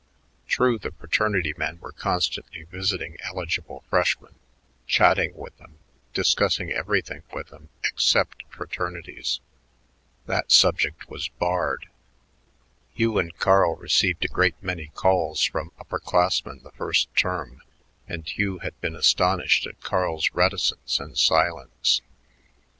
True, the fraternity men were constantly visiting eligible freshmen, chatting with them, discussing everything with them except fraternities. That subject was barred. Hugh and Carl received a great many calls from upper classmen the first term, and Hugh had been astonished at Carl's reticence and silence.